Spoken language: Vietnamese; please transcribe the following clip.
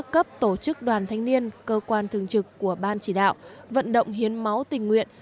cấp tổ chức đoàn thanh niên cơ quan thường trực của ban chỉ đạo vận động hiến máu tình nguyện